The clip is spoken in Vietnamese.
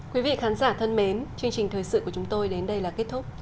quý vị khán giả thân mến chương trình thời sự của chúng tôi đến đây là kết thúc